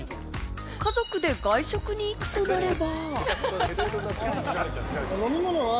家族で外食に行くとなれば。